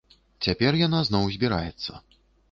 Цяпер яна зноў збіраецца.